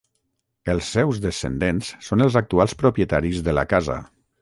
Els seus descendents són els actuals propietaris de la casa.